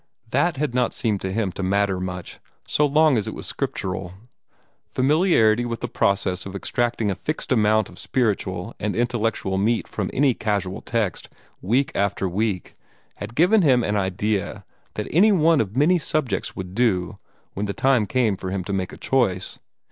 That had not seemed to him to matter much, so long as it was scriptural. Familiarity with the process of extracting a fixed amount of spiritual and intellectual meat from any casual text, week after week, had given him an idea that any one of many subjects would do, when the time came for him to make a choice.